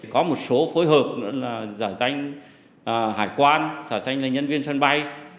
có một số phối hợp nữa là giả danh hải quan xả danh là nhân viên sân bay